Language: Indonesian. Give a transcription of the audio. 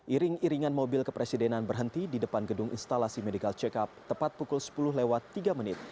iring iringan mobil kepresidenan berhenti di depan gedung instalasi medical check up tepat pukul sepuluh lewat tiga menit